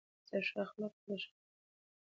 زه ښه اخلاق پېژنم.